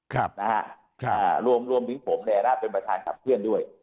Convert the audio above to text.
ครับนะฮะค่ะรวมและถึงเป็นประถานกลับเพื่อนด้วย